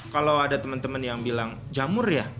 kalau ada temen temen yang bilang jamur ya